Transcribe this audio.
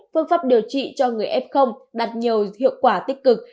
phương pháp điều trị cho người f đạt nhiều hiệu quả tích cực